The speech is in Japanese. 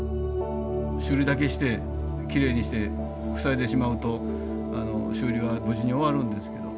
修理だけしてきれいにして塞いでしまうと修理は無事に終わるんですけど。